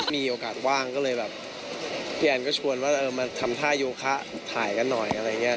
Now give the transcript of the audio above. มีโอกาสว่างก็เลยแบบพี่แอลก็ชวนหมาทำท่ายูคะถ่ายกันหน่อย